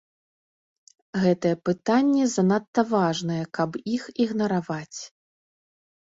Гэтыя пытанні занадта важныя, каб іх ігнараваць.